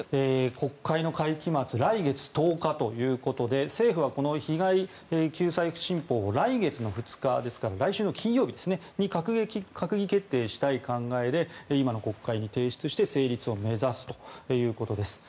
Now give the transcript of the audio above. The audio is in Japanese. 国会の会期末来月１０日ということで政府は、この被害者救済新法を来月の２日ですから来週の金曜日に閣議決定したい考えで今の国会に提出して成立を目指すということです。